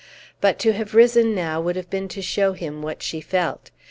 But to have risen now would have been to show him what she felt.